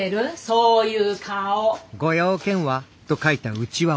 そういう顔！